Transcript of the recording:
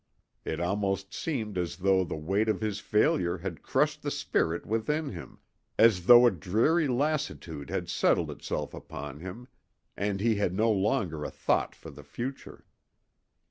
It almost seemed as though the weight of his failure had crushed the spirit within him, as though a dreary lassitude had settled itself upon him, and he had no longer a thought for the future.